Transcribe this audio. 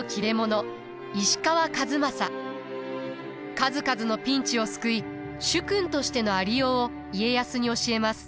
数々のピンチを救い主君としてのありようを家康に教えます。